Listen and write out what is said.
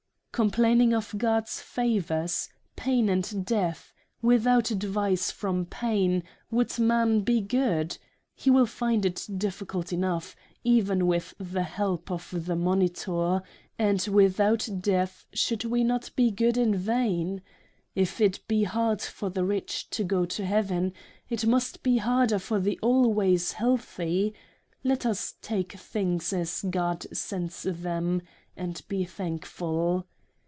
Complaining of God's favours? Pain and Death? without advice from Pain, would man be good? He will find it difficult enough, even with the help of the monitor and without Death should we not be good in Vain ? If it be hard for the Rich to go to Heaven, it must be harder for the always Healthy. Let us take Things as God sends them, and be thankful.